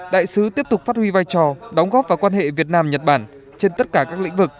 đại sứ tiếp tục phát huy vai trò đóng góp vào quan hệ việt nam nhật bản trên tất cả các lĩnh vực